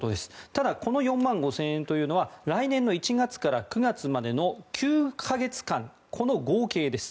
ただこの４万５０００円というのは来年の１月から９月までの９か月間の合計です。